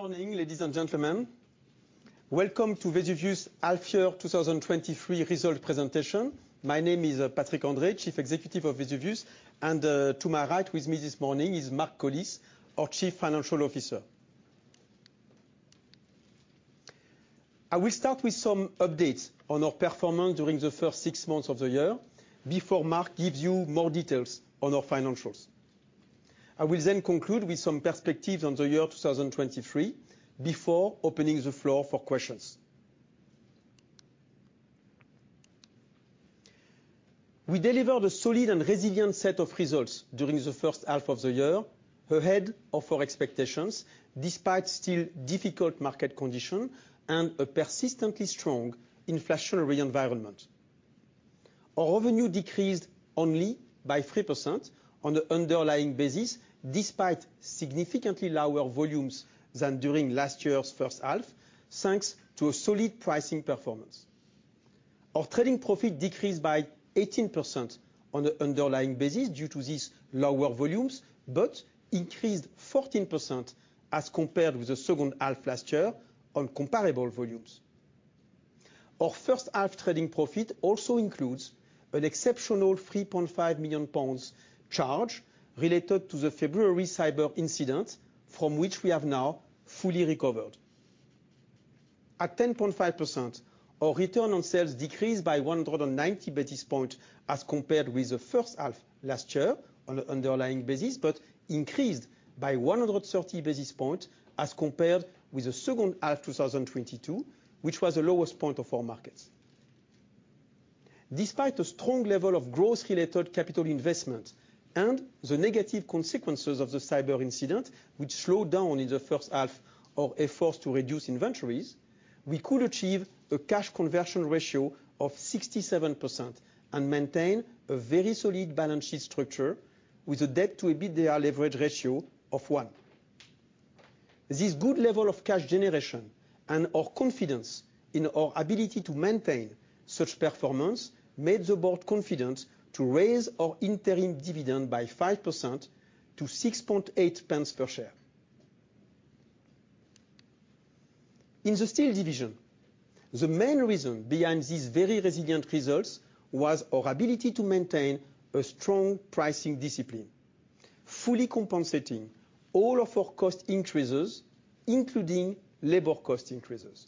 Good morning, ladies and gentlemen. Welcome to Vesuvius' half year 2023 result presentation. My name is Patrick André, Chief Executive of Vesuvius, and to my right with me this morning is Mark Collis, our Chief Financial Officer. I will start with some updates on our performance during the first 6 months of the year before Mark gives you more details on our financials. I will conclude with some perspectives on the year 2023 before opening the floor for questions. We delivered a solid and resilient set of results during the first half of the year, ahead of our expectations, despite still difficult market condition and a persistently strong inflationary environment. Our revenue decreased only by 3% on the underlying basis, despite significantly lower volumes than during last year's first half, thanks to a solid pricing performance. Our trading profit decreased by 18% on the underlying basis due to these lower volumes. Increased 14% as compared with the second half last year on comparable volumes. Our first half trading profit also includes an exceptional 3.5 million pounds charge related to the February cyber incident, from which we have now fully recovered. At 10.5%, our return on sales decreased by 190 basis point, as compared with the first half last year on the underlying basis, but increased by 130 basis point as compared with the second half 2022, which was the lowest point of our markets. Despite a strong level of growth-related capital investment and the negative consequences of the cyber incident, which slowed down in the first half of efforts to reduce inventories, we could achieve a cash conversion ratio of 67% and maintain a very solid balance sheet structure with a Debt-to-EBITDA leverage ratio of 1. This good level of cash generation and our confidence in our ability to maintain such performance, made the board confident to raise our interim dividend by 5% to 6.8 pence per share. In the Steel Division, the main reason behind these very resilient results was our ability to maintain a strong pricing discipline, fully compensating all of our cost increases, including labor cost increases.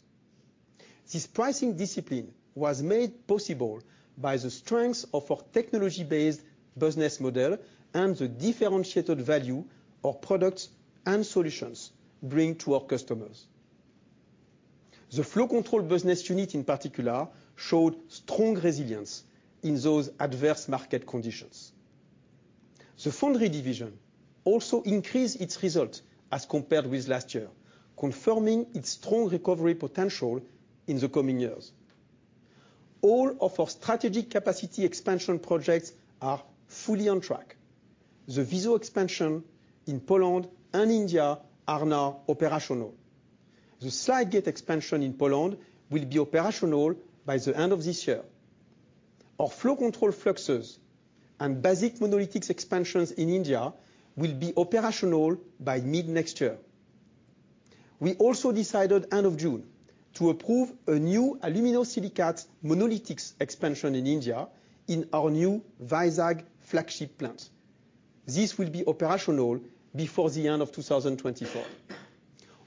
This pricing discipline was made possible by the strength of our technology-based business model and the differentiated value our products and solutions bring to our customers. The Flow Control business unit, in particular, showed strong resilience in those adverse market conditions. The Foundry division also increased its result as compared with last year, confirming its strong recovery potential in the coming years. All of our strategic capacity expansion projects are fully on track. The VISO expansion in Poland and India are now operational. The Slide Gate expansion in Poland will be operational by the end of this year. Our Flow Control fluxes and Basic Monolithics expansions in India will be operational by mid-next year. We also decided end of June to approve a new Aluminosilicate Monolithics expansion in India, in our new Vizag flagship plant. This will be operational before the end of 2024.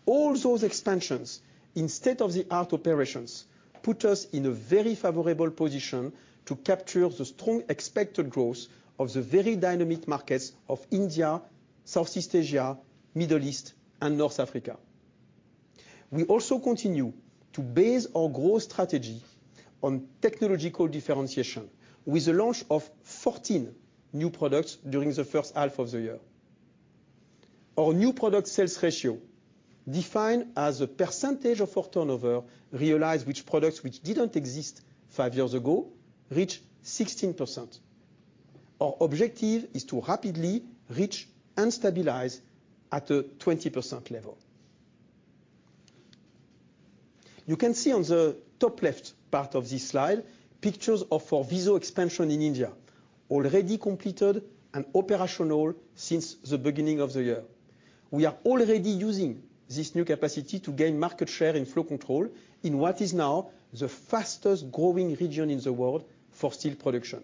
All those expansions in state-of-the-art operations, put us in a very favorable position to capture the strong expected growth of the very dynamic markets of India, Southeast Asia, Middle East, and North Africa. We also continue to base our growth strategy on technological differentiation with the launch of 14 new products during the first half of the year. Our new product sales ratio, defined as a percentage of our turnover, realized which products which didn't exist 5 years ago, reached 16%. Our objective is to rapidly reach and stabilize at a 20% level. You can see on the top left part of this slide, pictures of our VISO expansion in India, already completed and operational since the beginning of the year. We are already using this new capacity to gain market share in Flow Control, in what is now the fastest growing region in the world for steel production.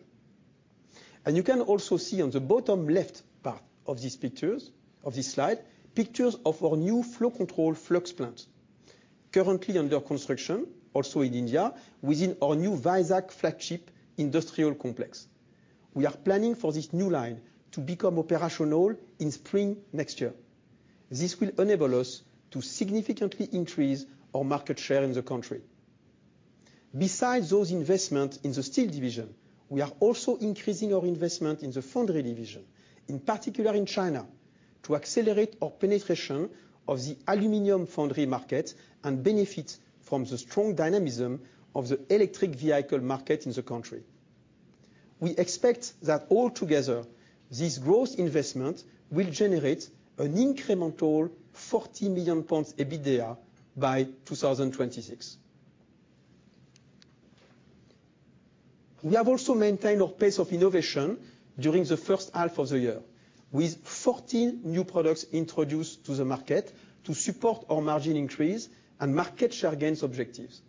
You can also see on the bottom left part of these pictures, of this slide, pictures of our new Flow Control fluxes plant, currently under construction, also in India, within our new Vizag flagship industrial complex. We are planning for this new line to become operational in spring next year. This will enable us to significantly increase our market share in the country. Besides those investments in the Steel Division, we are also increasing our investment in the Foundry Division, in particular in China, to accelerate our penetration of the aluminum foundry market and benefit from the strong dynamism of the electric vehicle market in the country. We expect that altogether, this growth investment will generate an incremental 40 million pounds EBITDA by 2026. We have also maintained our pace of innovation during the first half of the year, with 14 new products introduced to the market to support our margin increase and market share gains objectives.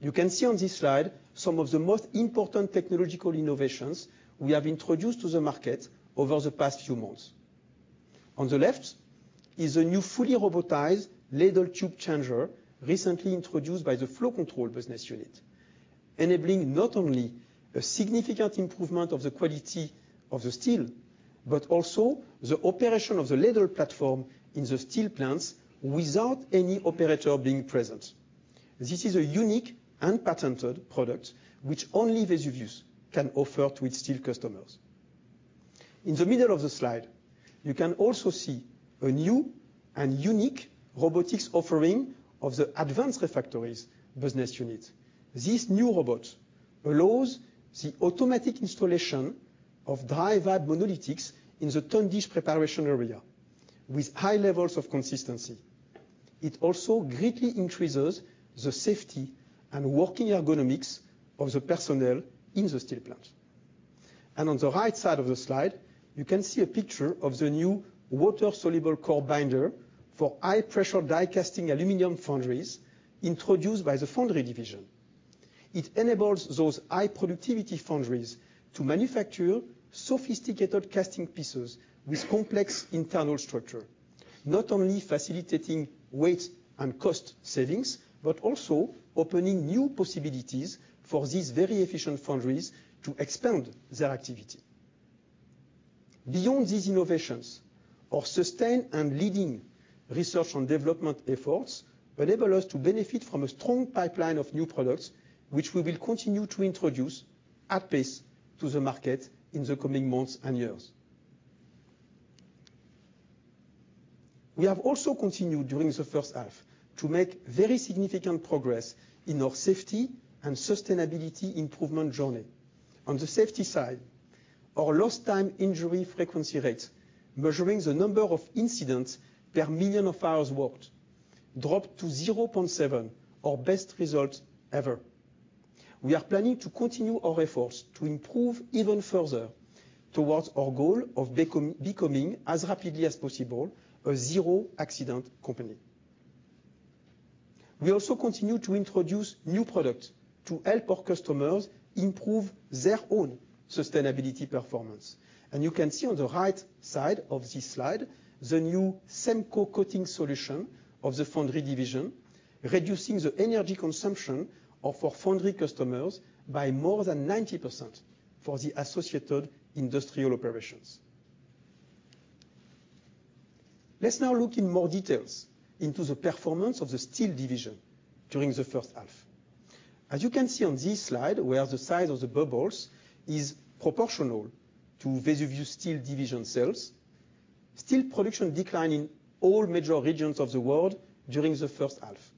You can see on this slide some of the most important technological innovations we have introduced to the market over the past few months. On the left is a new fully robotized Ladle Tube Changer, recently introduced by the Flow Control business unit, enabling not only a significant improvement of the quality of the steel, but also the operation of the ladle platform in the steel plants without any operator being present. This is a unique and patented product, which only Vesuvius can offer to its steel customers. In the middle of the slide, you can also see a new and unique robotics offering of the Advanced Refractories business unit. This new robot allows the automatic installation of dry vibratable monolithics in the tundish preparation area with high levels of consistency. It also greatly increases the safety and working ergonomics of the personnel in the steel plant. On the right side of the slide, you can see a picture of the new water-soluble core binder for high-pressure die casting aluminum foundries introduced by the Foundry Division. It enables those high-productivity foundries to manufacture sophisticated casting pieces with complex internal structure, not only facilitating weight and cost savings, but also opening new possibilities for these very efficient foundries to expand their activity. Beyond these innovations, our sustained and leading research and development efforts enable us to benefit from a strong pipeline of new products, which we will continue to introduce at pace to the market in the coming months and years. We have also continued, during the first half, to make very significant progress in our safety and sustainability improvement journey. On the safety side, our lost time injury frequency rate, measuring the number of incidents per million of hours worked, dropped to 0.7, our best result ever. We are planning to continue our efforts to improve even further towards our goal of becoming, as rapidly as possible, a zero-accident company. We also continue to introduce new products to help our customers improve their own sustainability performance. You can see on the right side of this slide, the new SEMCO coating solution of the Foundry Division, reducing the energy consumption of our foundry customers by more than 90% for the associated industrial operations. Let's now look in more details into the performance of the Steel Division during the first half. As you can see on this slide, where the size of the bubbles is proportional to Vesuvius Steel Division sales, steel production declined in all major regions of the world during the first half,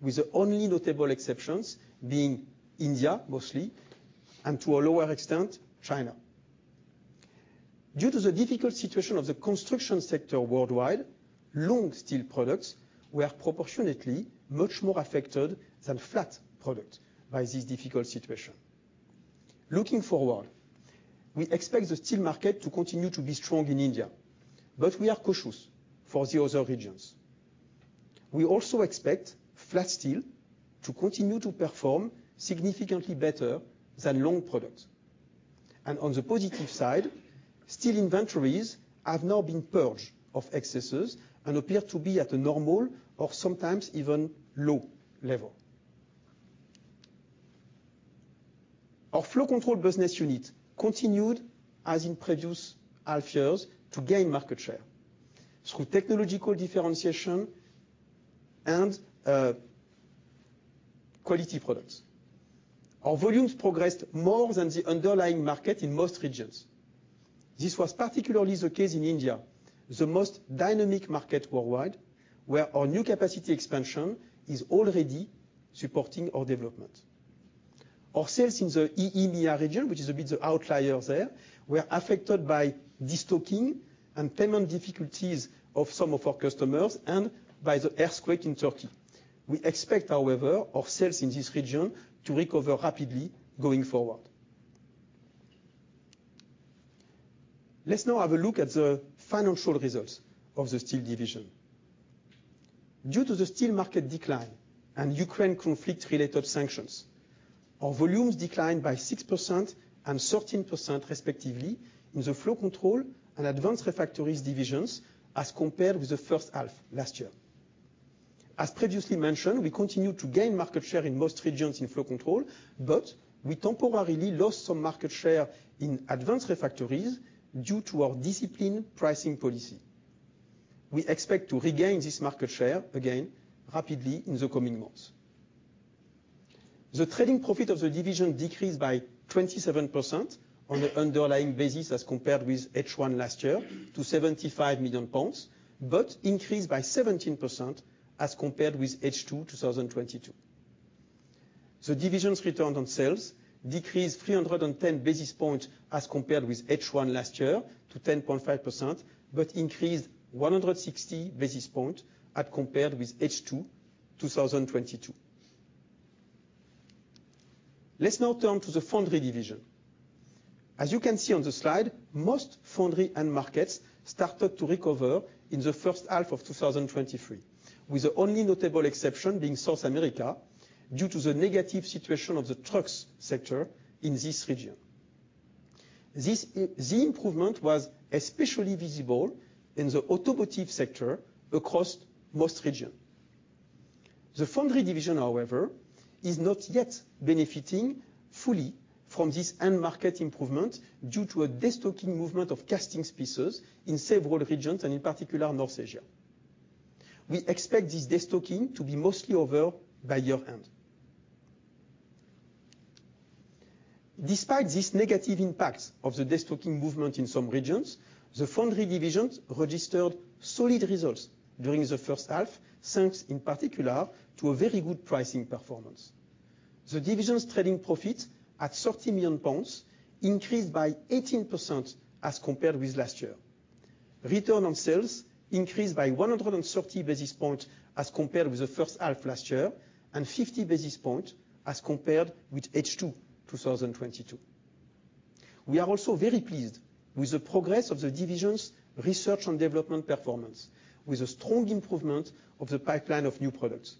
with the only notable exceptions being India, mostly, and to a lower extent, China. Due to the difficult situation of the construction sector worldwide, long steel products were proportionately much more affected than flat products by this difficult situation. Looking forward, we expect the steel market to continue to be strong in India, but we are cautious for the other regions. We also expect flat steel to continue to perform significantly better than long products. On the positive side, steel inventories have now been purged of excesses and appear to be at a normal or sometimes even low level. Our Flow Control business unit continued, as in previous half years, to gain market share through technological differentiation and quality products. Our volumes progressed more than the underlying market in most regions. This was particularly the case in India, the most dynamic market worldwide, where our new capacity expansion is already supporting our development. Our sales in the EEMEA region, which is a bit the outlier there, were affected by destocking and payment difficulties of some of our customers and by the earthquake in Turkey. We expect, however, our sales in this region to recover rapidly going forward. Let's now have a look at the financial results of the Steel Division. Due to the steel market decline and Ukraine conflict-related sanctions, our volumes declined by 6% and 13% respectively in the Flow Control and Advanced Refractories divisions as compared with the first half last year. As previously mentioned, we continue to gain market share in most regions in Flow Control, but we temporarily lost some market share in Advanced Refractories due to our disciplined pricing policy. We expect to regain this market share again, rapidly in the coming months. The trading profit of the division decreased by 27% on the underlying basis, as compared with H1 last year, to 75 million pounds, but increased by 17% as compared with H2, 2022. The division's return on sales decreased 310 basis points as compared with H1 last year to 10.5%, but increased 160 basis points at compared with H2 2022. Let's now turn to the Foundry Division. As you can see on the slide, most foundry end markets started to recover in the first half of 2023, with the only notable exception being South America, due to the negative situation of the trucks sector in this region. This the improvement was especially visible in the automotive sector across most region. The Foundry Division, however, is not yet benefiting fully from this end market improvement due to a destocking movement of casting pieces in several regions, and in particular, North Asia. We expect this destocking to be mostly over by year-end. Despite this negative impact of the destocking movement in some regions, the Foundry Division registered solid results during the first half, thanks, in particular, to a very good pricing performance. The division's trading profit, at 30 million pounds, increased by 18% as compared with last year. Return on sales increased by 130 basis points as compared with the first half last year, and 50 basis points as compared with H2 2022. We are also very pleased with the progress of the division's research and development performance, with a strong improvement of the pipeline of new products.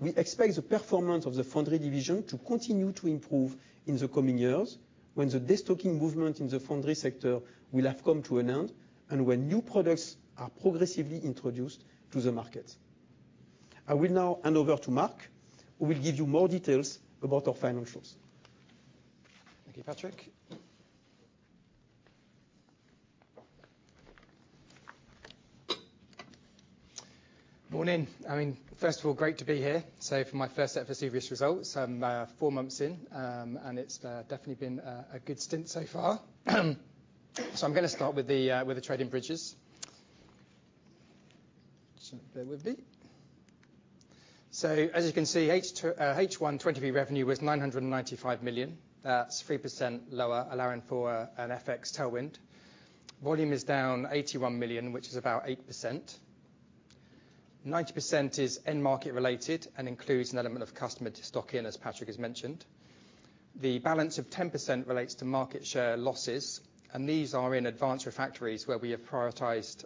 We expect the performance of the Foundry Division to continue to improve in the coming years, when the destocking movement in the foundry sector will have come to an end and when new products are progressively introduced to the market. I will now hand over to Mark, who will give you more details about our financials. Thank you, Patrick. Morning! I mean, first of all, great to be here. For my first set of Vesuvius results, I'm four months in, and it's definitely been a good stint so far. I'm gonna start with the trading bridges. Bear with me. As you can see, H2, H1 2023 revenue was 995 million. That's 3% lower, allowing for an FX tailwind. Volume is down 81 million, which is about 8%. 90% is end market related and includes an element of customer de-stocking, as Patrick has mentioned. The balance of 10% relates to market share losses, and these are in Advanced Refractories, where we have prioritized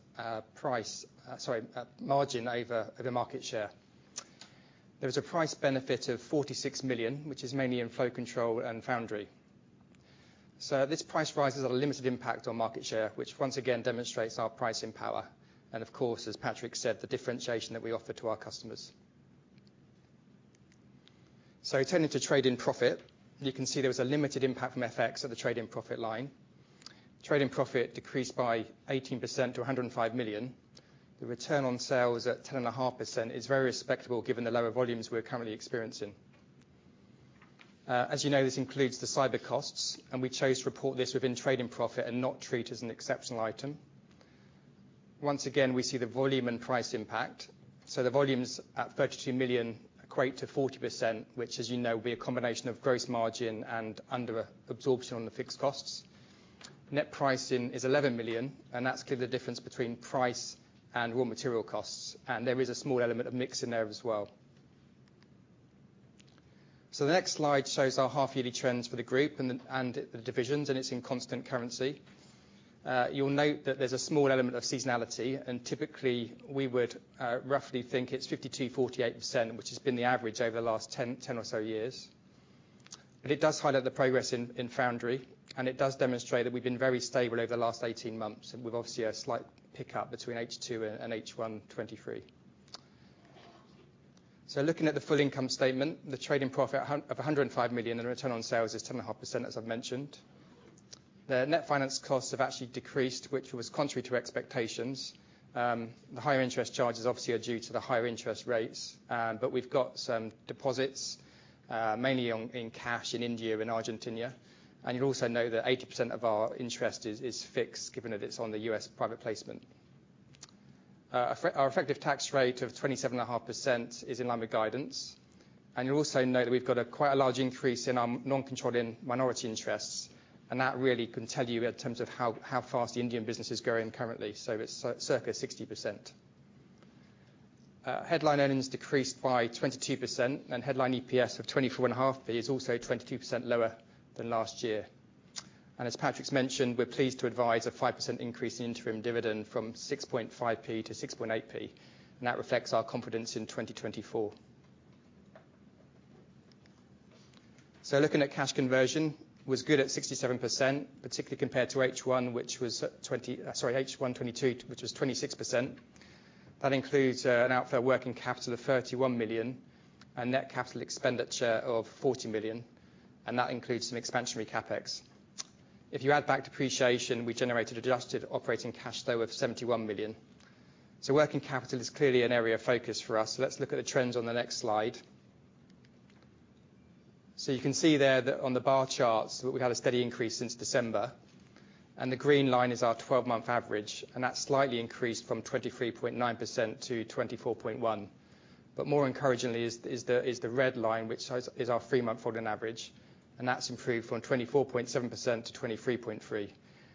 price, sorry, margin over market share. There is a price benefit of 46 million, which is mainly in Flow Control and Foundry. This price rise has a limited impact on market share, which once again demonstrates our pricing power, and of course, as Patrick said, the differentiation that we offer to our customers. Turning to trading profit, you can see there was a limited impact from FX on the trading profit line. trading profit decreased by 18% to 105 million. The return on sales at 10.5% is very respectable, given the lower volumes we're currently experiencing. As you know, this includes the cyber costs, and we chose to report this within trading profit and not treat as an exceptional item. Once again, we see the volume and price impact, so the volumes at 32 million equate to 40%, which, as you know, will be a combination of gross margin and under-absorption on the fixed costs. Net pricing is 11 million, and that's clearly the difference between price and raw material costs, and there is a small element of mix in there as well. The next slide shows our half yearly trends for the group and the divisions, and it's in constant currency. You'll note that there's a small element of seasonality, and typically, we would roughly think it's 52%, 48%, which has been the average over the last 10 or so years. It does highlight the progress in Foundry, and it does demonstrate that we've been very stable over the last 18 months, with obviously a slight pickup between H2 and H1 2023. Looking at the full income statement, the trading profit of 105 million, the return on sales is 10.5%, as I've mentioned. The net finance costs have actually decreased, which was contrary to expectations. The higher interest charges obviously are due to the higher interest rates, but we've got some deposits, mainly on, in cash in India and Argentina. You'll also know that 80% of our interest is fixed, given that it's on the U.S. private placement. Our effective tax rate of 27.5% is in line with guidance. You'll also note that we've got a quite a large increase in our non-controlling minority interests, and that really can tell you in terms of how fast the Indian business is growing currently, so it's circa 60%. Headline earnings decreased by 22%, and headline EPS of 0.245, but it is also 22% lower than last year. As Patrick's mentioned, we're pleased to advise a 5% increase in interim dividend from 0.065 to 0.068, and that reflects our confidence in 2024. Looking at cash conversion, was good at 67%, particularly compared to H1 2022, which was 26%. That includes an outfair working capital of 31 million and net capital expenditure of 40 million, and that includes some expansionary CapEx. If you add back depreciation, we generated adjusted operating cash flow of 71 million. Working capital is clearly an area of focus for us, let's look at the trends on the next slide. You can see there that on the bar charts, that we've had a steady increase since December. The green line is our 12-month average, and that's slightly increased from 23.9% to 24.1%. More encouragingly is the red line, which shows is our 3-month falling average, and that's improved from 24.7% to 23.3%.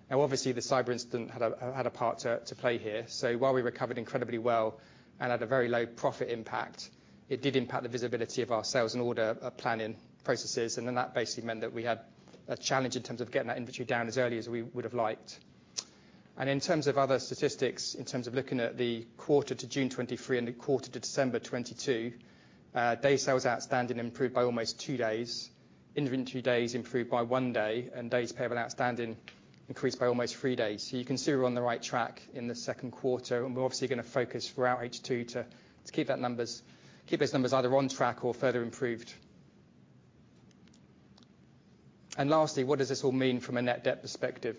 Now, obviously, the cyber incident had a part to play here. While we recovered incredibly well and had a very low profit impact, it did impact the visibility of our sales and order planning processes, and then that basically meant that we had a challenge in terms of getting that inventory down as early as we would have liked. In terms of other statistics, in terms of looking at the quarter to June 2023 and the quarter to December 2022, day sales outstanding improved by almost 2 days. Inventory days improved by 1 day, and days payable outstanding increased by almost 3 days. You can see we're on the right track in the second quarter, we're obviously gonna focus throughout H2 to keep those numbers either on track or further improved. Lastly, what does this all mean from a net debt perspective?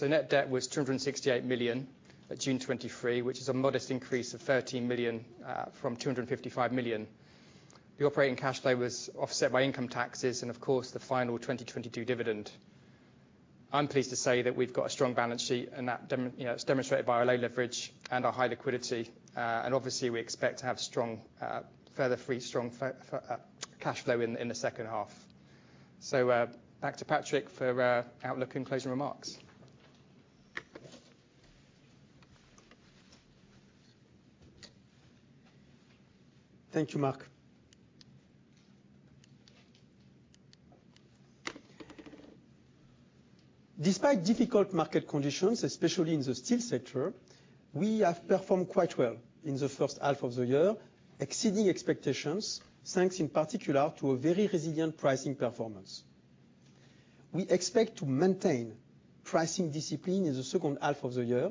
Net debt was 268 million at June 2023, which is a modest increase of 13 million from 255 million. The operating cash flow was offset by income taxes and, of course, the final 2022 dividend. I'm pleased to say that we've got a strong balance sheet, and that you know, it's demonstrated by our low leverage and our high liquidity. And obviously we expect to have strong further free cash flow in the second half. Back to Patrick for outlook and closing remarks. Thank you, Mark. Despite difficult market conditions, especially in the steel sector, we have performed quite well in the first half of the year, exceeding expectations, thanks in particular to a very resilient pricing performance. We expect to maintain pricing discipline in the second half of the year,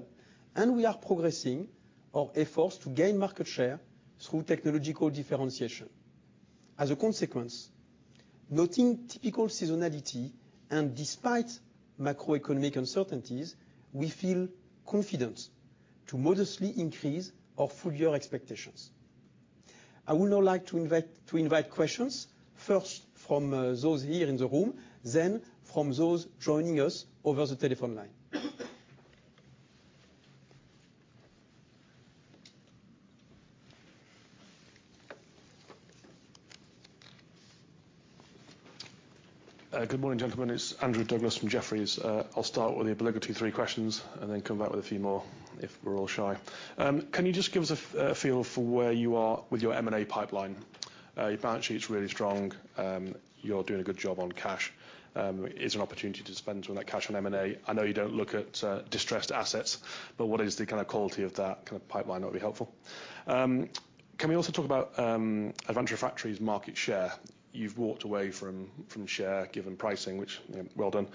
and we are progressing our efforts to gain market share through technological differentiation. As a consequence, noting typical seasonality and despite macroeconomic uncertainties, we feel confident to modestly increase our full year expectations. I would now like to invite questions, first from those here in the room, then from those joining us over the telephone line. Good morning, gentlemen. It's Andrew Douglas from Jefferies. I'll start with the obligatory three questions and then come back with a few more if we're all shy. Can you just give us a feel for where you are with your M&A pipeline? Your balance sheet's really strong. You're doing a good job on cash. Is there an opportunity to spend some of that cash on M&A? I know you don't look at distressed assets, but what is the kind of quality of that kind of pipeline that would be helpful? Can we also talk about Advanced Refractories' market share? You've walked away from share, given pricing, which, well done.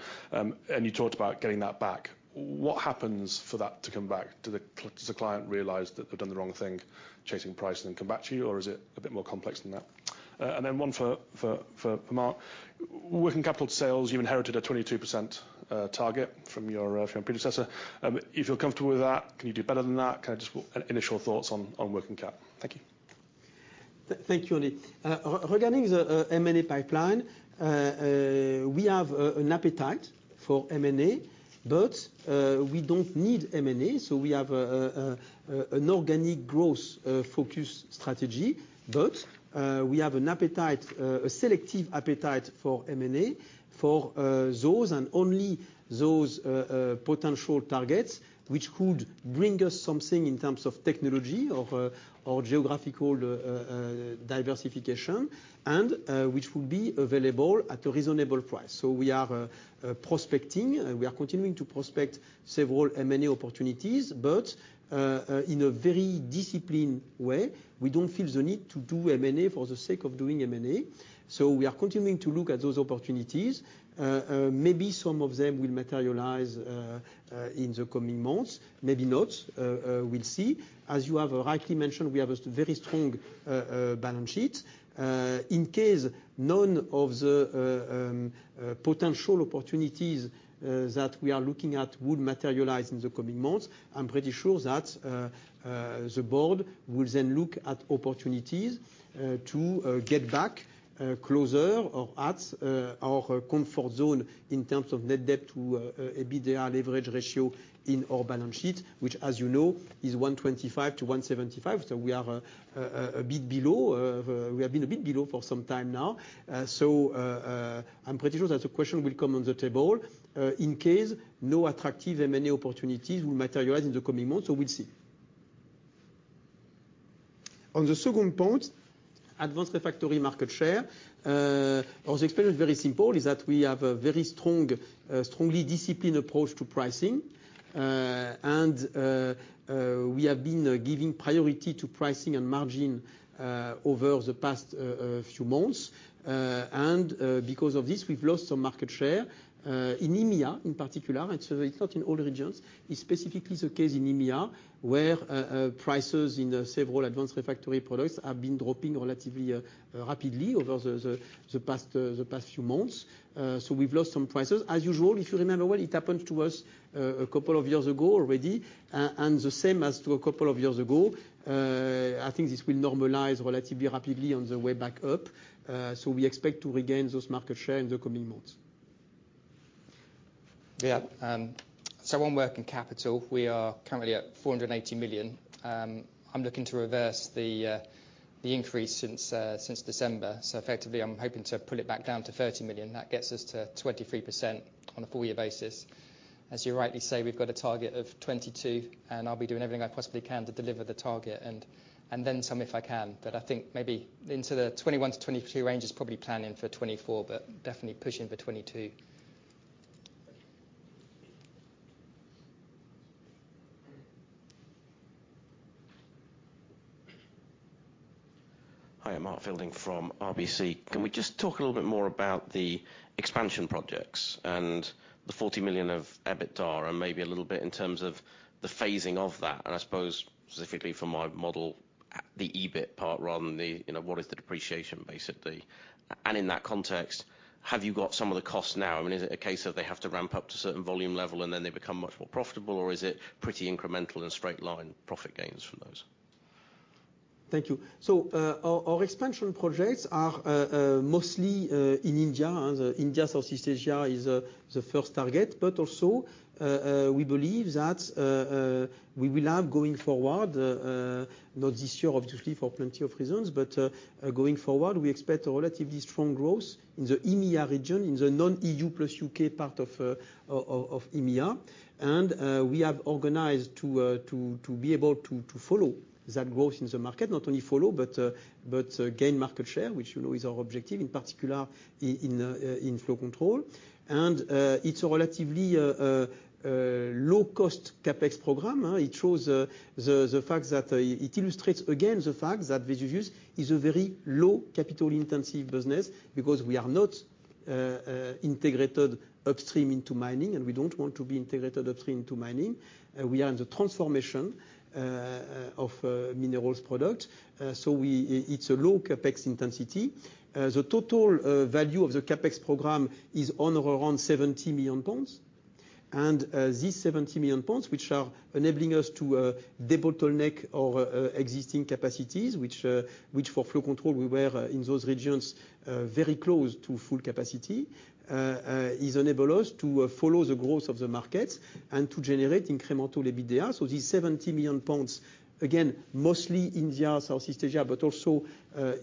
You talked about getting that back. What happens for that to come back? Does the client realize that they've done the wrong thing, chasing price and come back to you, or is it a bit more complex than that? Then one for Mark. Working capital sales, you inherited a 22% target from your from your predecessor. If you're comfortable with that, can you do better than that? Can I just go initial thoughts on working cap? Thank you. Thank you, Andy. Regarding the M&A pipeline, we have an appetite for M&A, but we don't need M&A, so we have an organic growth focus strategy. We have an appetite, a selective appetite for M&A, for those and only those potential targets, which could bring us something in terms of technology or geographical diversification, and which will be available at a reasonable price. We are prospecting, and we are continuing to prospect several M&A opportunities, but in a very disciplined way. We don't feel the need to do M&A for the sake of doing M&A. We are continuing to look at those opportunities. Maybe some of them will materialize in the coming months, maybe not. We'll see. As you have rightly mentioned, we have a very strong balance sheet. In case none of the potential opportunities that we are looking at will materialize in the coming months, I'm pretty sure that the board will then look at opportunities to get back closer or at our comfort zone in terms of net debt to EBITDA leverage ratio in our balance sheet, which, as you know, is 1.25x-1.75x. We are a bit below. We have been a bit below for some time now. I'm pretty sure that the question will come on the table in case no attractive M&A opportunities will materialize in the coming months. We'll see. On the second point, advanced refractory market share, as explained, is very simple, is that we have a very strong, strongly disciplined approach to pricing. We have been giving priority to pricing and margin over the past few months. Because of this, we've lost some market share in EMEA in particular. It's not in all regions. It's specifically the case in EMEA, where prices in the several advanced refractory products have been dropping relatively rapidly over the past few months. We've lost some prices. As usual, if you remember well, it happened to us 2 years ago already. The same as 2 years ago, I think this will normalize relatively rapidly on the way back up. We expect to regain those market share in the coming months. Yeah, on working capital, we are currently at 480 million. I'm looking to reverse the increase since December. Effectively, I'm hoping to pull it back down to 30 million. That gets us to 23% on a full year basis. As you rightly say, we've got a target of 22%, I'll be doing everything I possibly can to deliver the target, and then some if I can. I think maybe into the 21%-22% range is probably planning for 2024, definitely pushing for 2022. Hi, I'm Mark Fielding from RBC. Can we just talk a little bit more about the expansion projects and the 40 million of EBITDA, and maybe a little bit in terms of the phasing of that? I suppose specifically for my model, the EBIT part rather than the, you know, what is the depreciation, basically. In that context, have you got some of the costs now? I mean, is it a case of they have to ramp up to certain volume level, and then they become much more profitable, or is it pretty incremental and straight line profit gains from those? Thank you. Our expansion projects are mostly in India. India, Southeast Asia is the first target, but also, we believe that we will have going forward, not this year, obviously, for plenty of reasons. Going forward, we expect a relatively strong growth in the EMEA region, in the non-EU plus UK part of EMEA. We have organized to be able to follow that growth in the market. Not only follow, but gain market share, which you know, is our objective, in particular, in Flow Control. It's a relatively low-cost CapEx program, huh? It shows the fact that it illustrates, again, the fact that Vesuvius is a very low capital-intensive business. Because we are not integrated upstream into mining, and we don't want to be integrated upstream to mining. We are in the transformation of minerals product, so it's a low CapEx intensity. The total value of the CapEx program is under around 70 million pounds. This 70 million pounds, which are enabling us to debottleneck our existing capacities, which for Flow Control, we were in those regions very close to full capacity, is enable us to follow the growth of the markets and to generate incremental EBITDA. These 70 million pounds, again, mostly India, Southeast Asia, but also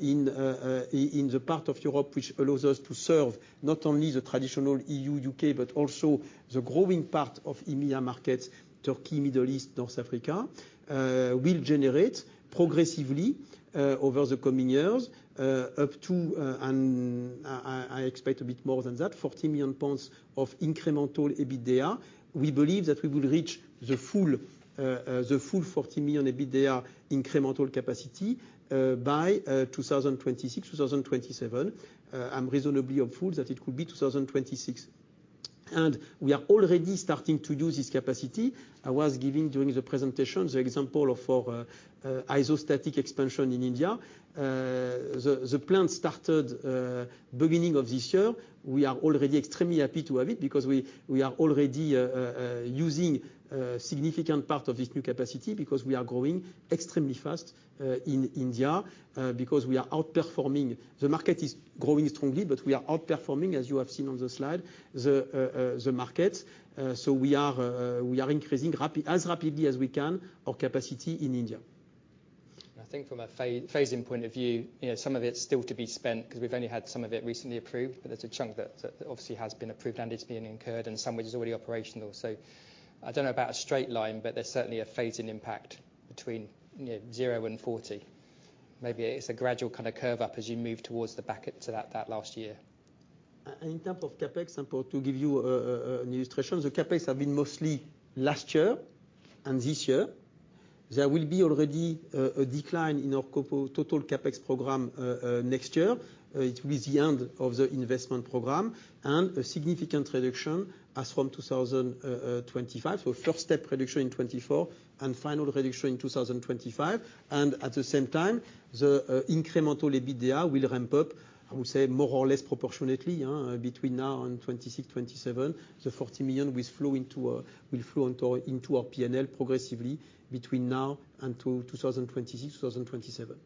in the part of Europe, which allows us to serve not only the traditional EU, UK, but also the growing part of EMEA markets, Turkey, Middle East, North Africa, will generate progressively over the coming years. Up to, and I expect a bit more than that, 40 million pounds of incremental EBITDA. We believe that we will reach the full 40 million EBITDA incremental capacity by 2026, 2027. I'm reasonably hopeful that it could be 2026, and we are already starting to use this capacity. I was giving, during the presentation, the example of our isostatic expansion in India. The plan started beginning of this year. We are already extremely happy to have it, because we are already using significant part of this new capacity, because we are growing extremely fast in India. Because we are outperforming. The market is growing strongly, but we are outperforming, as you have seen on the slide, the markets. We are increasing as rapidly as we can, our capacity in India. I think from a phasing point of view, you know, some of it's still to be spent, because we've only had some of it recently approved. There's a chunk that obviously has been approved and is being incurred, and some which is already operational. I don't know about a straight line, but there's certainly a phasing impact between, you know, 0 and 40. Maybe it's a gradual kind of curve up as you move towards the back end to that last year. In terms of CapEx, and to give you an illustration, the CapEx have been mostly last year and this year. There will be already a decline in our total CapEx program next year. It will be the end of the investment program and a significant reduction as from 2025. First step reduction in 2024 and final reduction in 2025, and at the same time, the incremental EBITDA will ramp up, I would say, more or less proportionately, between now and 2026, 2027. The 40 million will flow into, will flow into our, into our P&L progressively between now and to 2026, 2027.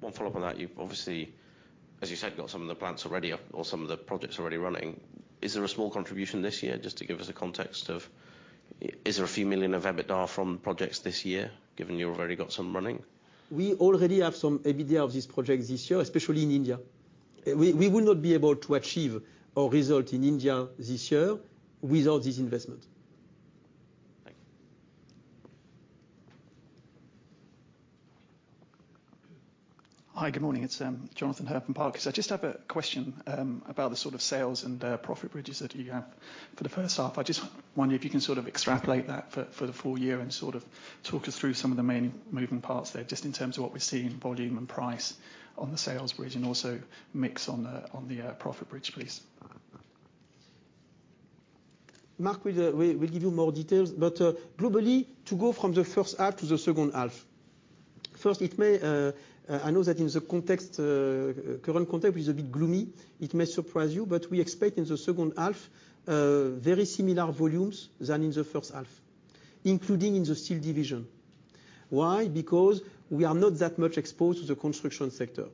One follow-up on that. You've obviously, as you said, got some of the plants already up or some of the projects already running. Is there a small contribution this year, just to give us a context of, is there a few million of EBITDA from projects this year, given you've already got some running? We already have some EBITDA of this project this year, especially in India. We would not be able to achieve our result in India this year without this investment. Thank you. Hi, good morning. It's Jonathan Hurn. I just have a question about the sort of sales and profit bridges that you have for the first half. I just wonder if you can sort of extrapolate that for the full year and sort of talk us through some of the main moving parts there, just in terms of what we're seeing in volume and price on the sales bridge, and also mix on the profit bridge, please. Mark will give you more details, but globally, to go from the first half to the second half. First, it may, I know that in the context, current context is a bit gloomy. It may surprise you, but we expect in the second half, very similar volumes than in the first half, including in the Steel Division. Why? Because we are not that much exposed to the construction sector.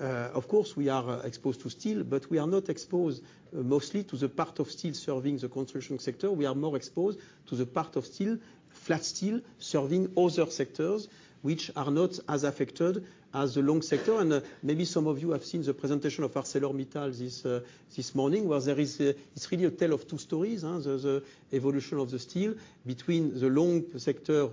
Of course, we are exposed to steel, but we are not exposed mostly to the part of steel serving the construction sector. We are more exposed to the part of steel, flat steel, serving other sectors which are not as affected as the long sector. Maybe some of you have seen the presentation of ArcelorMittal this morning, where there is, it's really a tale of two stories, huh? There's an evolution of the steel between the long sector.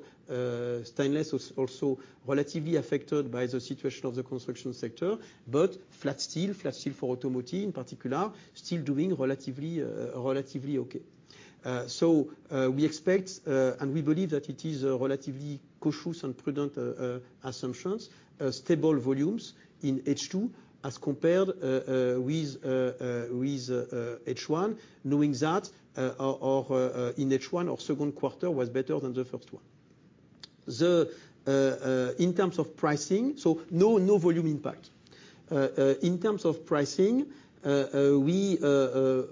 Stainless is also relatively affected by the situation of the construction sector, but flat steel, flat steel for automotive in particular, still doing relatively relatively okay. So we expect and we believe that it is a relatively cautious and prudent assumptions, stable volumes in H2 as compared with with H1, knowing that our in H1, our second quarter was better than the first one. In terms of pricing. So no volume impact. In terms of pricing, we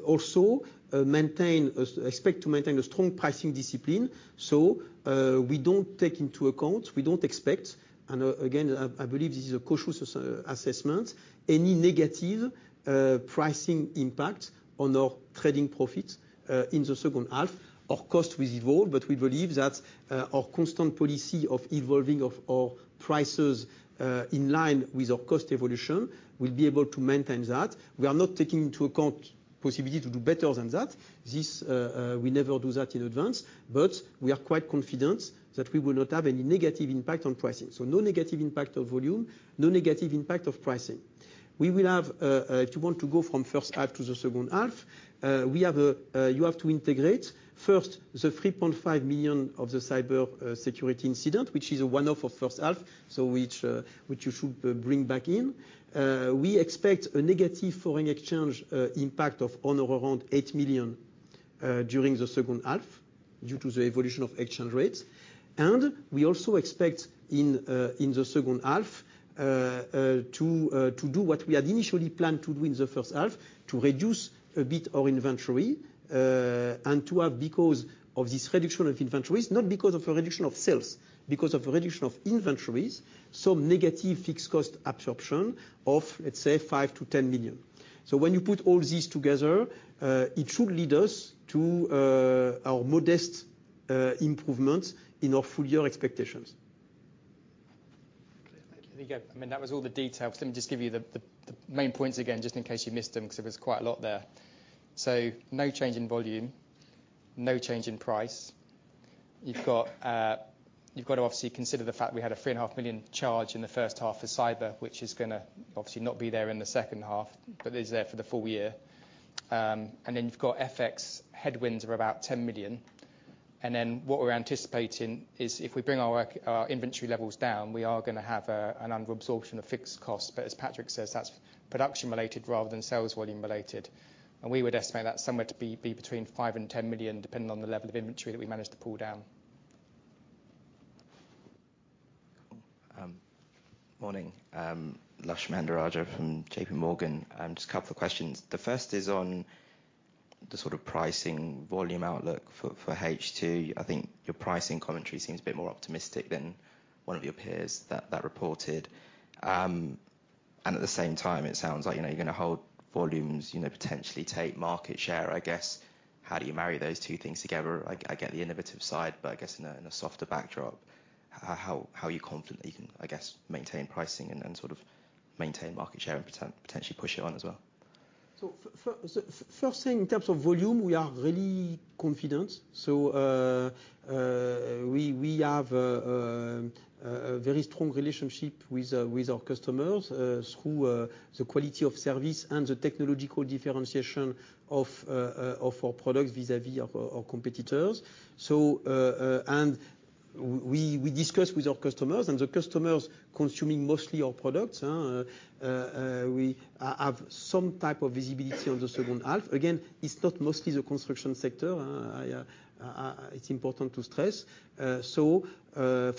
also maintain, expect to maintain a strong pricing discipline. We don't take into account, we don't expect, and again, I believe this is a cautious assessment, any negative pricing impact on our trading profits in the second half. Our cost will evolve, but we believe that our constant policy of evolving of our prices in line with our cost evolution, we'll be able to maintain that. We are not taking into account possibility to do better than that. This, we never do that in advance, but we are quite confident that we will not have any negative impact on pricing. No negative impact on volume, no negative impact of pricing. We will have, if you want to go from first half to the second half, you have to integrate first, the 3.5 million of the cyber security incident, which is a one-off of first half. Which you should bring back in. We expect a negative foreign exchange impact of only around 8 million during the second half due to the evolution of exchange rates. We also expect in the second half to do what we had initially planned to do in the first half, to reduce a bit our inventory, and to have because of this reduction of inventories, not because of a reduction of sales, because of a reduction of inventories, some negative fixed cost absorption of, let's say, 5 million-10 million. When you put all these together, it should lead us to our modest improvements in our full year expectations. There you go. I mean, that was all the details. Let me just give you the, the main points again, just in case you missed them, because it was quite a lot there. No change in volume, no change in price. You've got, you've got to obviously consider the fact we had a 3.5 million charge in the first half for cyber, which is gonna obviously not be there in the second half, but is there for the full year. You've got FX headwinds of about 10 million. What we're anticipating is if we bring our inventory levels down, we are gonna have an under-absorption of fixed costs. As Patrick André says, that's production-related rather than sales volume-related. We would estimate that somewhere to be between 5 million and 10 million, depending on the level of inventory that we manage to pull down. Morning, Lushanthan Mahendrarajah from JPMorgan. Just a couple of questions. The first is on the sort of pricing volume outlook for H2. I think your pricing commentary seems a bit more optimistic than one of your peers that reported. At the same time, it sounds like, you know, you're gonna hold volumes, you know, potentially take market share, I guess. How do you marry those two things together? I get the innovative side, but I guess in a, in a softer backdrop, how are you confident that you can, I guess, maintain pricing and then sort of maintain market share and potentially push it on as well? First thing, in terms of volume, we are really confident. We have a very strong relationship with our customers through the quality of service and the technological differentiation of our products vis-à-vis our competitors. We discuss with our customers, and the customers consuming mostly our products, we have some type of visibility on the second half. Again, it's not mostly the construction sector, it's important to stress. For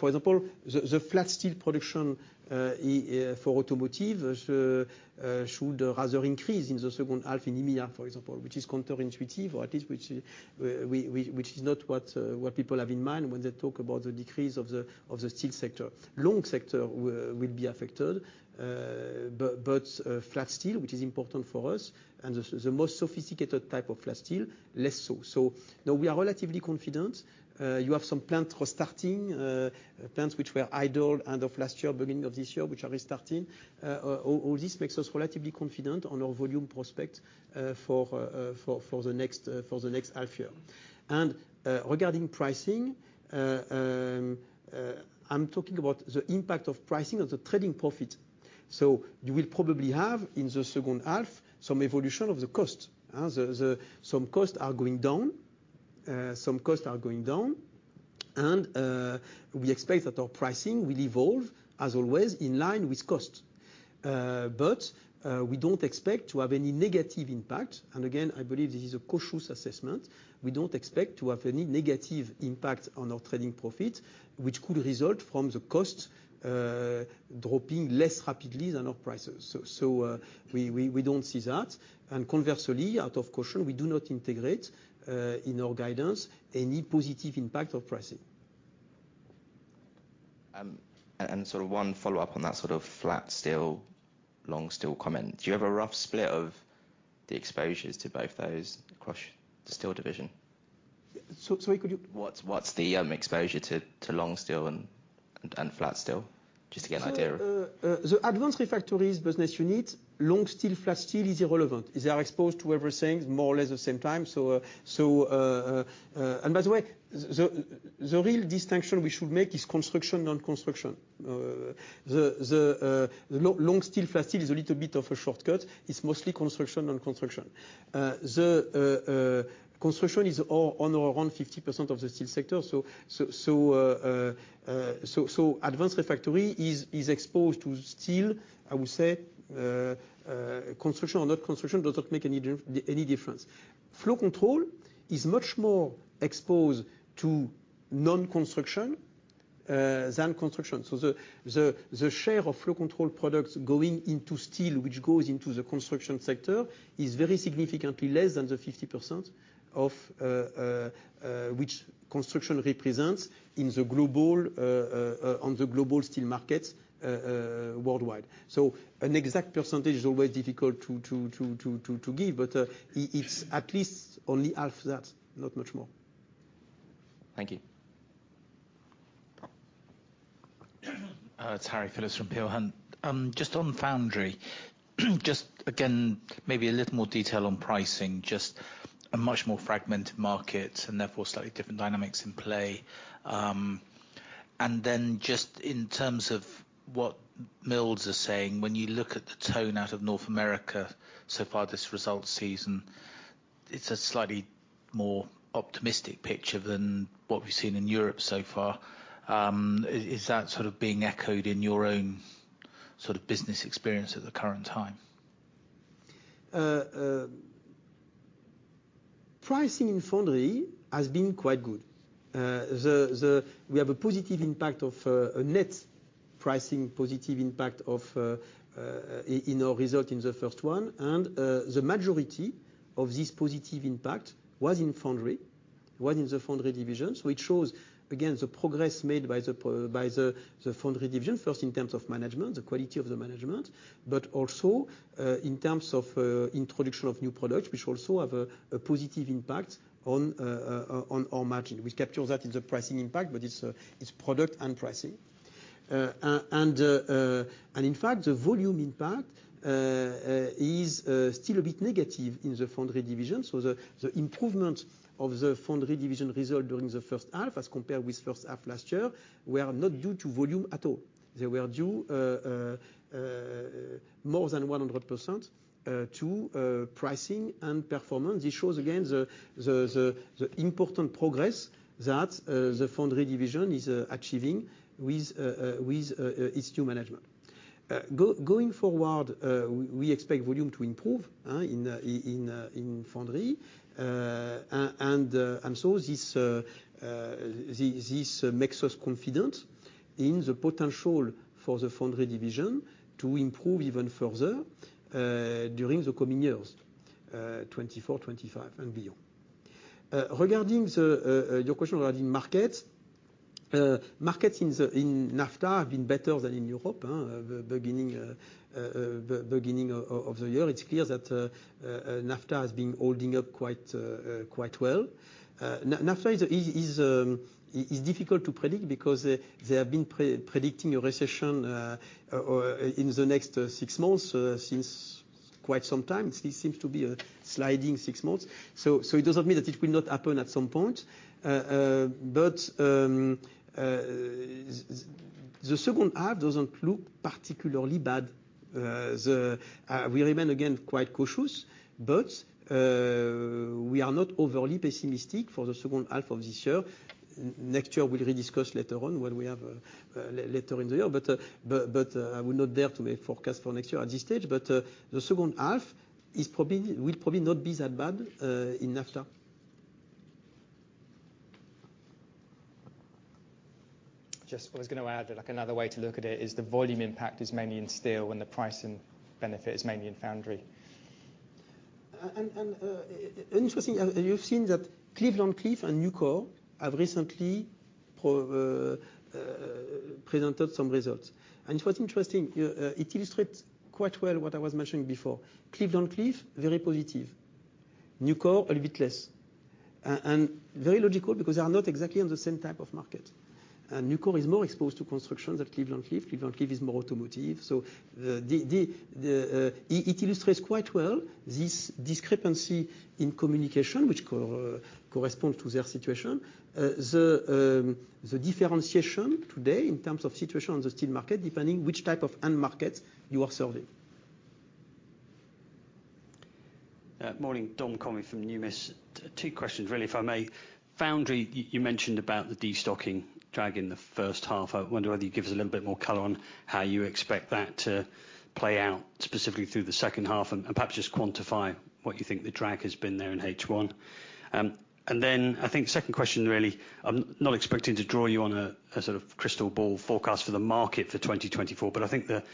example, the flat steel production for automotive should rather increase in the second half in India, for example, which is counterintuitive, or at least which is not what what people have in mind when they talk about the decrease of the, of the steel sector. Long sector will be affected, flat steel, which is important for us and the most sophisticated type of flat steel, less so. No, we are relatively confident. You have some plant restarting, plants which were idle end of last year, beginning of this year, which are restarting. All this makes us relatively confident on our volume prospect for the next half year. Regarding pricing, I'm talking about the impact of pricing on the trading profit. You will probably have, in the second half, some evolution of the cost. Some costs are going down, some costs are going down, we expect that our pricing will evolve, as always, in line with cost. We don't expect to have any negative impact, and again, I believe this is a cautious assessment. We don't expect to have any negative impact on our trading profit, which could result from the cost dropping less rapidly than our prices. We don't see that. Conversely, out of caution, we do not integrate in our guidance, any positive impact of pricing.... sort of one follow-up on that sort of flat steel, long steel comment. Do you have a rough split of the exposures to both those across the Steel Division? could you- What's the exposure to long steel and flat steel? Just to get an idea. The Advanced Refractories business unit, long steel, flat steel is irrelevant. They are exposed to everything more or less the same time. And by the way, the real distinction we should make is construction, non-construction. The long steel, flat steel is a little bit of a shortcut. It's mostly construction, non-construction. Construction is all under around 50% of the steel sector. Advanced refractory is exposed to steel, I would say, construction or not construction does not make any difference. Flow Control is much more exposed to non-construction than construction. The share of Flow Control products going into steel, which goes into the construction sector, is very significantly less than the 50% of which construction represents in the global on the global steel market worldwide. An exact percentage is always difficult to give, but it's at least only half that, not much more. Thank you. It's Harry Phillips from Peel Hunt. Just on Foundry, just again, maybe a little more detail on pricing, just a much more fragmented market and therefore slightly different dynamics in play. Then just in terms of what mills are saying, when you look at the tone out of North America so far this result season, it's a slightly more optimistic picture than what we've seen in Europe so far. Is that sort of being echoed in your own sort of business experience at the current time? Pricing in Foundry has been quite good. We have a positive impact of a net pricing positive impact in our result in the first one, and the majority of this positive impact was in the Foundry Division. It shows, again, the progress made by the Foundry Division, first in terms of management, the quality of the management, but also in terms of introduction of new products, which also have a positive impact on our margin. We capture that in the pricing impact, but it's product and pricing. In fact, the volume impact is still a bit negative in the Foundry Division. The improvement of the Foundry Division result during the first half, as compared with first half last year, were not due to volume at all. They were due more than 100% to pricing and performance. This shows again, the important progress that the Foundry Division is achieving with its new management. Going forward, we expect volume to improve in foundry. This makes us confident in the potential for the Foundry Division to improve even further during the coming years, 2024, 2025 and beyond. Regarding your question regarding markets in NAFTA have been better than in Europe, huh? The beginning of the year, it's clear that NAFTA has been holding up quite well. NAFTA is difficult to predict because they have been predicting a recession or in the next 6 months since quite some time. This seems to be a sliding 6 months. It doesn't mean that it will not happen at some point. The second half doesn't look particularly bad. We remain again, quite cautious, but we are not overly pessimistic for the second half of this year. Next year, we'll rediscuss later on when we have later in the year. I would not dare to make forecast for next year at this stage. The second half will probably not be that bad in NAFTA. Just I was gonna add, like another way to look at it is the volume impact is mainly in steel, when the pricing benefit is mainly in foundry. Interesting, you've seen that Cleveland-Cliffs and Nucor have recently presented some results. What's interesting, it illustrates quite well what I was mentioning before. Cleveland-Cliffs, very positive. Nucor, a little bit less. Very logical, because they are not exactly on the same type of market. Nucor is more exposed to construction than Cleveland-Cliffs. Cleveland-Cliffs is more automotive. The illustrates quite well this discrepancy in communication, which correspond to their situation. The differentiation today in terms of situation on the steel market, depending which type of end market you are serving. Morning, Dominic Connolly from Numis. Two questions, really, if I may. Foundry, you mentioned about the destocking drag in the first half. I wonder whether you can give us a little bit more color on how you expect that to play out, specifically through the second half, and perhaps just quantify what you think the drag has been there in H1. I think second question, really, I'm not expecting to draw you on a sort of crystal ball forecast for the market for 2024, but I think the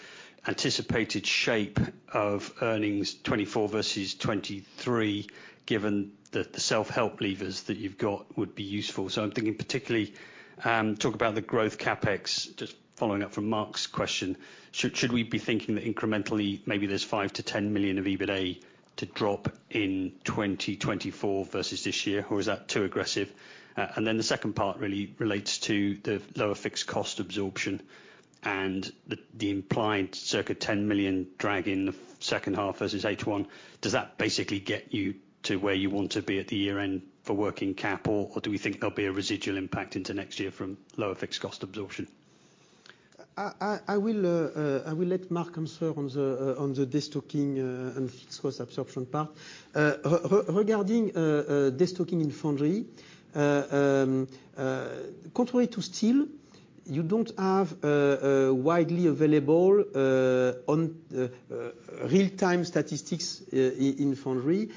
anticipated shape of earnings 2024 versus 2023, given the self-help levers that you've got, would be useful. I'm thinking particularly, talk about the growth CapEx, just following up from Mark's question. Should we be thinking that incrementally, maybe there's 5 million-10 million of EBITA to drop in 2024 versus this year, or is that too aggressive? The second part really relates to the lower fixed cost absorption. The implied circa 10 million drag in the second half versus H1, does that basically get you to where you want to be at the year end for working capital? Do we think there'll be a residual impact into next year from lower fixed cost absorption? I will let Mark answer on the destocking and fixed cost absorption part. Regarding destocking in Foundry, contrary to Steel, you don't have a widely available real-time statistics in Foundry,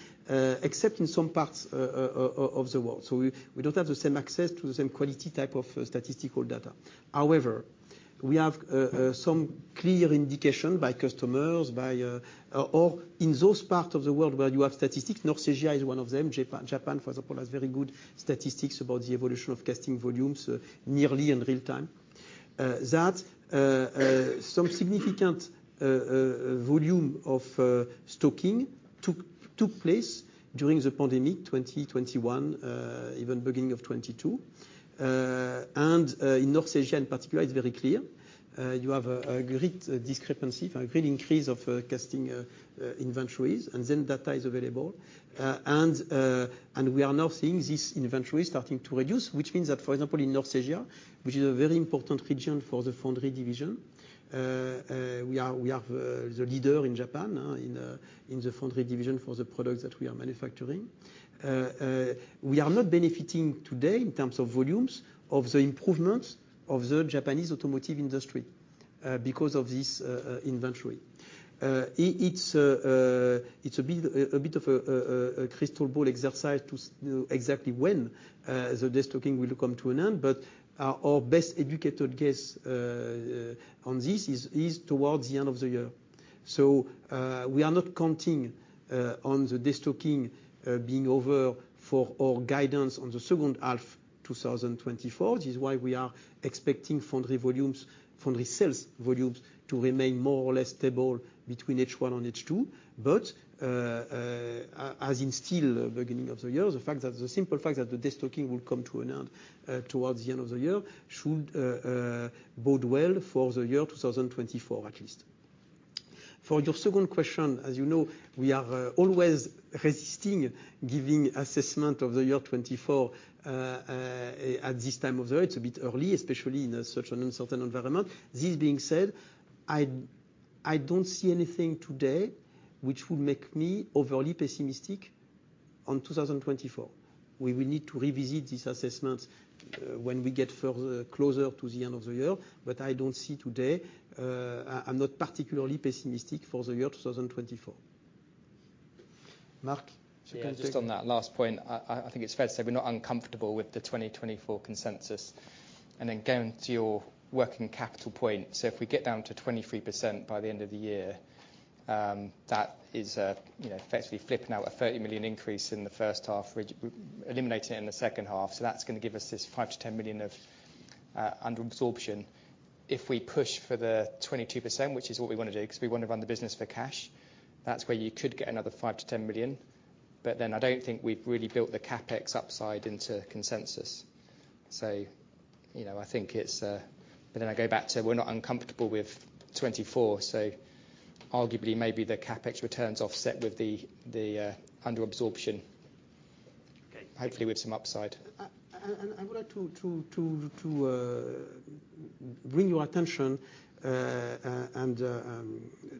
except in some parts of the world. We don't have the same access to the same quality type of statistical data. However, we have some clear indication by customers, by or in those parts of the world where you have statistics, North Asia is one of them. Japan, for example, has very good statistics about the evolution of casting volumes nearly in real time. That some significant volume of stocking took place during the pandemic 2021, even beginning of 2022. In North Asia in particular, it's very clear. You have a great discrepancy, a great increase of casting inventories, and then data is available. We are now seeing this inventory starting to reduce, which means that, for example, in North Asia, which is a very important region for the Foundry Division, we are the leader in Japan, in the Foundry Division for the products that we are manufacturing. We are not benefiting today, in terms of volumes, of the improvements of the Japanese automotive industry, because of this inventory. It's a bit of a crystal ball exercise to know exactly when the destocking will come to an end, but our best educated guess on this is towards the end of the year. We are not counting on the destocking being over for our guidance on the second half 2024. This is why we are expecting Foundry volumes, Foundry sales volumes, to remain more or less stable between H1 and H2. As in Steel, beginning of the year, the simple fact that the destocking will come to an end towards the end of the year should bode well for the year 2024, at least. For your second question, as you know, we are always resisting giving assessment of the year 2024. At this time of the year, it's a bit early, especially in such an uncertain environment. This being said, I don't see anything today which would make me overly pessimistic on 2024. We will need to revisit this assessment when we get further closer to the end of the year, but I don't see today, I'm not particularly pessimistic for the year 2024. Mark? Yeah, just on that last point, I think it's fair to say we're not uncomfortable with the 2024 consensus. Going to your working capital point, if we get down to 23% by the end of the year, that is, you know, effectively flipping out a 30 million increase in the first half, which eliminate it in the second half. That's gonna give us this 5 million-10 million of under-absorption. If we push for the 22%, which is what we wanna do, because we want to run the business for cash, that's where you could get another 5 million-10 million. I don't think we've really built the CapEx upside into consensus. You know, I think it's... I go back to, we're not uncomfortable with 2024, arguably, maybe the CapEx returns offset with the under-absorption. Okay. Hopefully with some upside. I would like to bring your attention and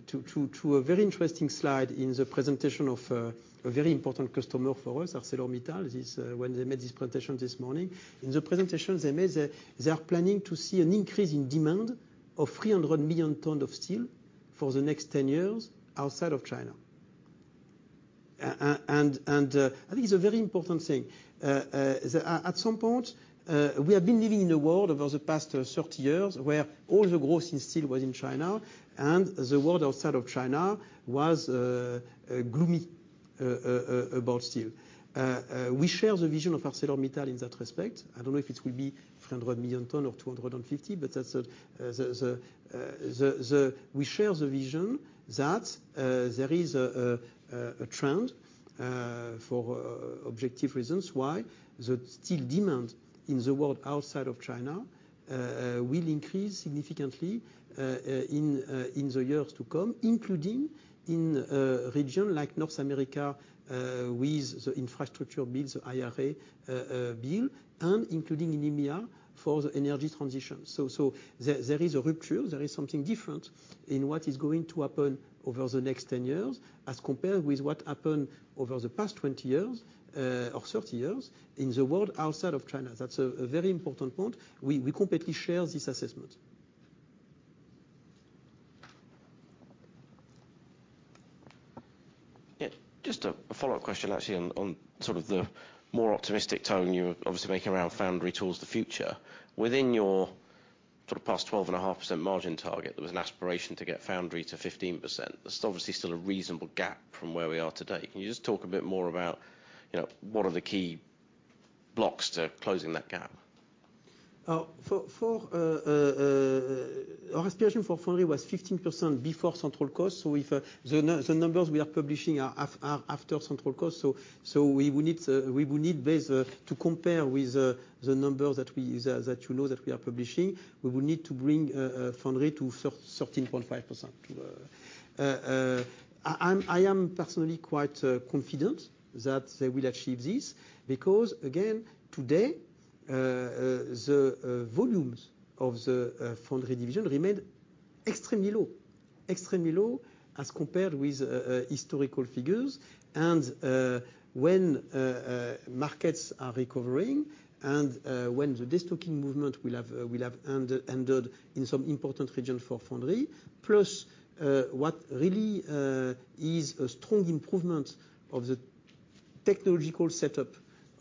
to a very interesting slide in the presentation of a very important customer for us, ArcelorMittal. This when they made this presentation this morning. In the presentation, they made, they are planning to see an increase in demand of 300 million tons of steel for the next 10 years outside of China. I think it's a very important thing. At some point, we have been living in a world over the past 30 years where all the growth in steel was in China, and the world outside of China was gloomy about steel. We share the vision of ArcelorMittal in that respect. I don't know if it will be 300 million ton or 250, but that's the we share the vision that there is a trend for objective reasons why the steel demand in the world outside of China will increase significantly in the years to come, including in region like North America with the infrastructure builds, IRA build, and including in India, for the energy transition. There is a rupture, there is something different in what is going to happen over the next 10 years, as compared with what happened over the past 20 years, or 30 years in the world outside of China. That's a very important point. We completely share this assessment. Just a follow-up question, actually, on sort of the more optimistic tone you're obviously making around Foundry towards the future. Within your sort of past 12.5% margin target, there was an aspiration to get Foundry to 15%. There's obviously still a reasonable gap from where we are today. Can you just talk a bit more about, you know, what are the key blocks to closing that gap? ... for our aspiration for Foundry was 15% before central cost. If the numbers we are publishing are after central cost, so we would need to, we would need this to compare with the numbers that we that you know that we are publishing. We will need to bring Foundry to 13.5%. I am personally quite confident that they will achieve this, because again, today, the volumes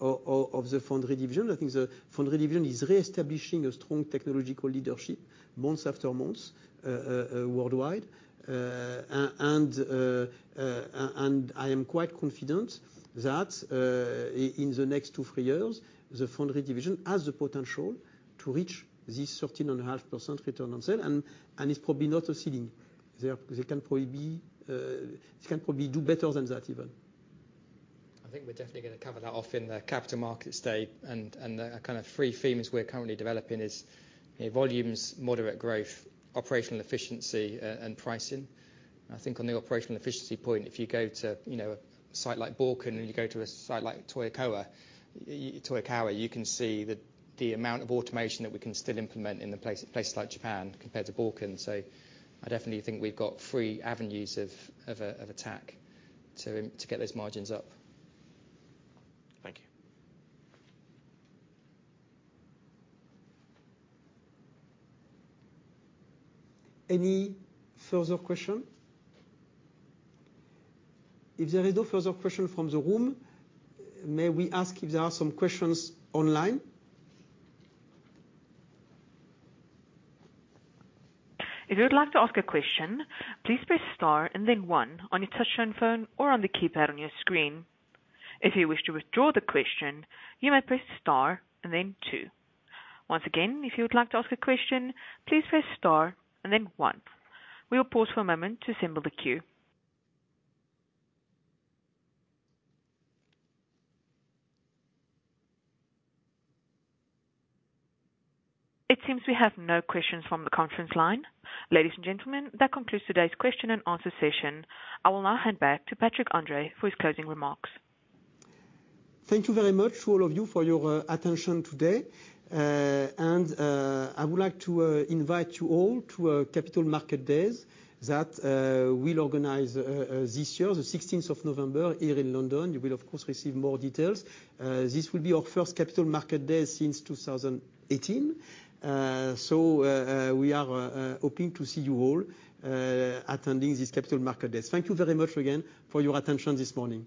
of the Foundry Division remained extremely low as compared with historical figures. When markets are recovering, and when the destocking movement will have ended in some important region for Foundry. What really is a strong improvement of the technological setup of the Foundry Division. I think the Foundry Division is reestablishing a strong technological leadership month after month worldwide. I am quite confident that in the next two, three years, the Foundry Division has the potential to reach this 13.5% return on sales, and it's probably not a ceiling. They can probably be, they can probably do better than that, even. I think we're definitely gonna cover that off in the Capital Markets Day, and, kind of three themes we're currently developing is, you know, volumes, moderate growth, operational efficiency, and pricing. I think on the operational efficiency point, if you go to, you know, a site like Borken, and you go to a site like Toyokawa, you can see that the amount of automation that we can still implement in the place, places like Japan compared to Borken. I definitely think we've got three avenues of attack to get those margins up. Thank you. Any further question? If there is no further question from the room, may we ask if there are some questions online? If you'd like to ask a question, please press star and then one on your touchtone phone or on the keypad on your screen. If you wish to withdraw the question, you may press star and then two. Once again, if you would like to ask a question, please press star and then one. We will pause for a moment to assemble the queue. It seems we have no questions from the conference line. Ladies and gentlemen, that concludes today's question and answer session. I will now hand back to Patrick André for his closing remarks. Thank you very much, all of you, for your attention today. I would like to invite you all to a Capital Markets Day that we'll organize this year, the 16th of November, here in London. You will, of course, receive more details. This will be our first Capital Markets Day since 2018. We are hoping to see you all attending this Capital Markets Day. Thank you very much again for your attention this morning.